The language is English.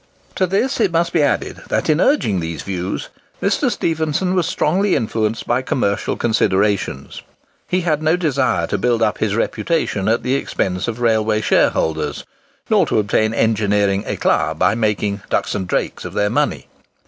To this it must be added, that in urging these views Mr. Stephenson was strongly influenced by commercial considerations. He had no desire to build up his reputation at the expense of railway shareholders, nor to obtain engineering éclat by making "ducks and drakes" of their money.